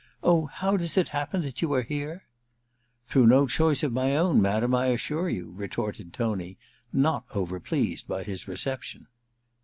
*Oh, how does it happen that you are here ?* ^Through no choice of my own, madam, I assure you !* retorted Tony, not overpleased by his reception.